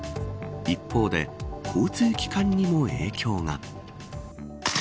一方で、交通機関にも影響が。